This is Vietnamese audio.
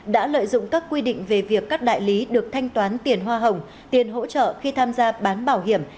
đã lợi dụng các quy định về việc các đại lý được thanh toán tiền hoa hồng tiền hỗ trợ khi tham gia bán bảo hiểm